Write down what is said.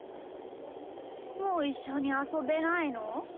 もういっしょにあそべないの？